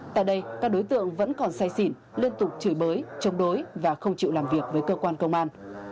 tại đây các đối tượng vẫn còn say xỉn liên tục chửi bới chống đối và không chịu làm việc với cơ quan công an